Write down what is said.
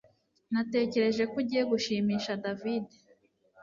Natekereje ko ugiye gushimisha David